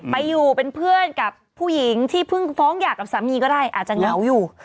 ไปอยู่เป็นเพื่อนกับผู้หญิงที่เพิ่งฟ้องหย่ากับสามีก็ได้อาจจะเหงาอยู่